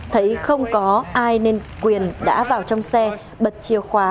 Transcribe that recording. thấy không có ai nên quyền đã vào trong xe bật chìa khóa